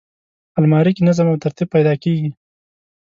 الماري کې نظم او ترتیب پیدا کېږي